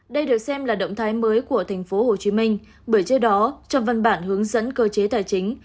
đây được xem là động thái mới của tp hcm bởi trên đó trong văn bản hướng dẫn cơ chế tài chính